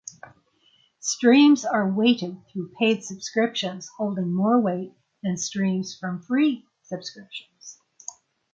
Streams are "weighted" through paid subscriptions holding more weight than streams from free subscriptions.